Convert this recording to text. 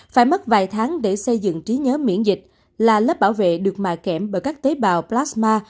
phải mất vài tháng để xây dựng trí nhớ miễn dịch là lớp bảo vệ được mà kém bởi các tế bào plasma